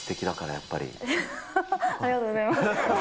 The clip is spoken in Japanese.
ありがとうございます。